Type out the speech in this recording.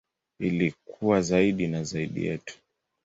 Ili kuwa zaidi na zaidi yetu.